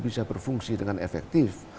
bisa berfungsi dengan efektif